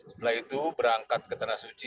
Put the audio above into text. setelah itu berangkat ke tanah suci